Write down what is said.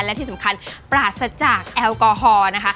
และที่สำคัญปราศจากแอลกอฮอล์นะคะ